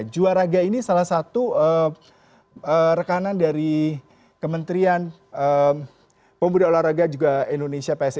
jua raga ini salah satu rekanan dari kementerian pemuda olahraga juga indonesia